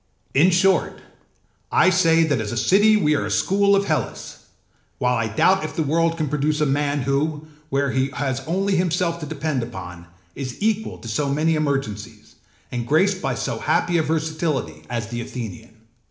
âIn short, I say that as a city we are the school of Hellas, while I doubt if the world can produce a man who, where he has only himself to depend upon, is equal to so many emergencies, and graced by so happy a versatility, as the Athenian.